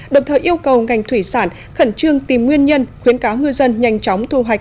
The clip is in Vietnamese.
đồng thời yêu cầu ngành thủy sản khẩn trương tìm nguyên nhân khuyến cáo ngư dân nhanh chóng thu hoạch